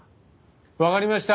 わかりました。